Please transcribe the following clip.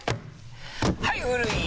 はい古い！